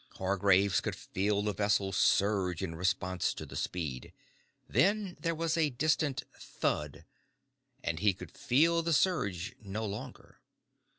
Hargraves could feel the vessel surge in response to the speed. Then there was a distant thud, and he could feel the surge no longer.